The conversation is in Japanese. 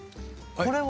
これは？